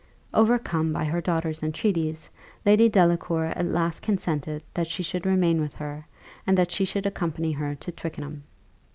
Overcome by her daughter's entreaties, Lady Delacour at last consented that she should remain with her, and that she should accompany her to Twickenham.